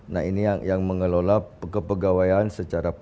nah ini yang mengelola kepegawaian secara pribadi